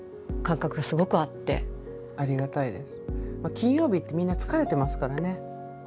金曜日ってみんな疲れてますからね。